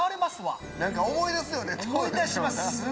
思い出します